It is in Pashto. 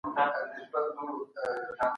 اقتصاد باید د خلګو لپاره اسانتیاوي برابرې کړي.